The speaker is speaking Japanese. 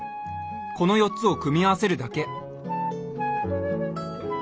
この４つを組み合わせるだけ。